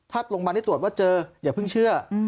ถ้าโรงพยาบาลได้ตรวจว่าเจออย่าเพิ่งเชื่อ